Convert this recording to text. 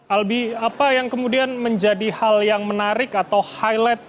albi apa yang kemudian menjadi hal yang menarik atau highlight